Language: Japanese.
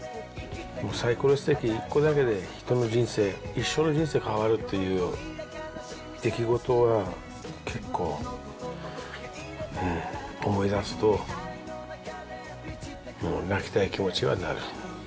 サイコロステーキ１個だけで、人の人生、一生の人生が変わるっていう出来事が結構、うん、思い出すと泣きたい気持ちにはなる。